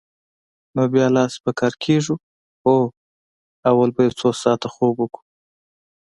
نو بیا لاس په کار کېږو؟ هو، اول به یو څو ساعته خوب وکړو.